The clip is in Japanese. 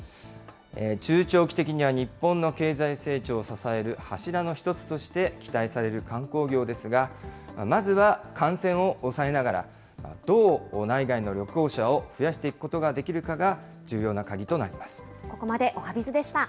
中長期的には日本の経済成長を支える柱の一つとして、期待される観光業ですが、まずは感染を抑えながら、どう内外の旅行者を増やしていくことができるかが、重要な鍵となここまでおはＢｉｚでした。